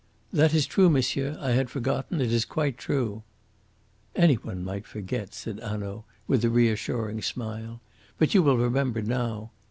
"That is true, monsieur. I had forgotten. It is quite true." "Any one might forget," said Hanaud, with a reassuring smile. "But you will remember now.